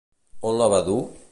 On la va dur?